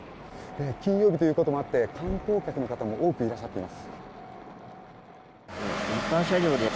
金曜日ということもあって観光客の方も多くいらっしゃっています。